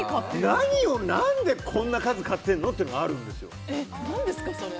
何を、何でこんな数買ってるのかっていうのが何ですか、それ。